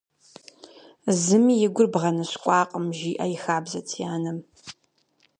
«Зыми и гур бгъэныщкӏуакъым», жиӏэ и хабзэт си анэм.